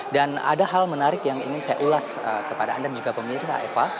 dan ada hal menarik yang ingin saya ulas kepada anda dan juga pemirsa eva